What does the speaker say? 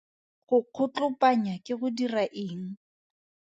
Go kgotlopanya ke go dira eng?